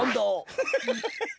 ハハハハハ。